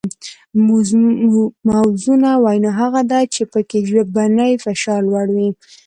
موزونه وینا هغه ده چې پکې ژبنی فشار لوړ وي